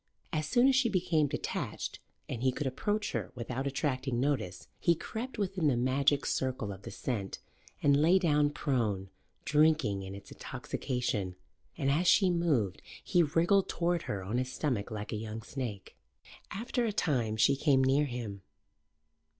As soon as she became detached and he could approach her without attracting notice, he crept within the magic circle of the scent and lay down prone, drinking in its intoxication, and, as she moved, he wriggled toward her on his stomach like a young snake. After a time she came near him.